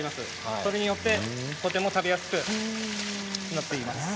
それによってとても食べやすくなっています。